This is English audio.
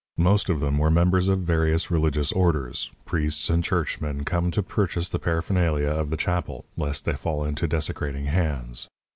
Most of them were members of various religious orders, priests and churchmen, come to purchase the paraphernalia of the chapel, lest they fall into desecrating hands.